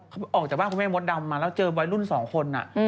เขาออกจากบ้านคุณแม่มดดำมาแล้วเจอวัยรุ่น๒คน